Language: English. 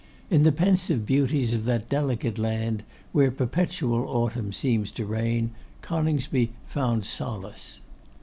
In the pensive beauties of that delicate land, where perpetual autumn seems to reign, Coningsby found solace.